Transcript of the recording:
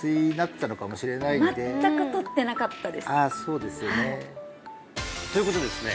そうですよねということでですね